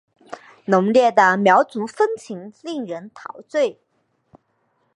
浓烈的苗族风情令人陶醉。